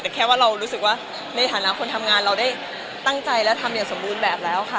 แต่แค่ว่าเรารู้สึกว่าในฐานะคนทำงานเราได้ตั้งใจและทำอย่างสมบูรณ์แบบแล้วค่ะ